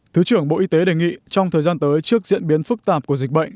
thứ trưởng bộ y tế đề nghị trong thời gian tới trước diễn biến phức tạp của dịch bệnh